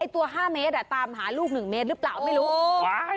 ตัว๕เมตรตามหาลูก๑เมตรหรือเปล่าไม่รู้